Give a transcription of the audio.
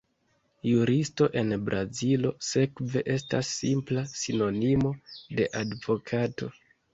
Juristo en Brazilo, sekve, estas simpla sinonimo de advokato.